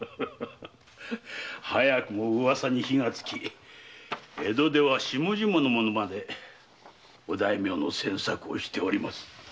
早くも噂に火がつき江戸では下々の者までお大名の詮索をしております。